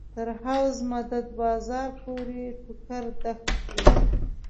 تر حوض مدد بازار پورې ټوکر دښت و.